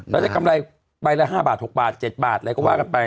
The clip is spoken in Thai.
แล้วจะกำไรใบละห้าบาทหกบาทเจ็ดบาทอะไรก็ว่ากันไป